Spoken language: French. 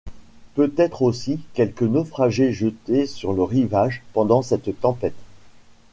Peut-être aussi quelque naufragé jeté sur le rivage pendant cette tempête...